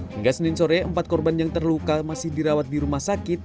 hingga senin sore empat korban yang terluka masih dirawat di rumah sakit